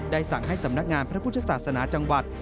สั่งให้สำนักงานพระพุทธศาสนาจังหวัด